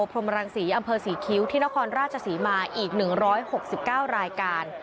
พรมรังศรีอำเภอศรีคิวที่นครราชศรีมาอีกหนึ่งร้อยหกสิบเก้ารายการ